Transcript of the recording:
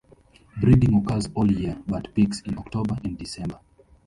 Breeding occurs all year, but peaks in October and December.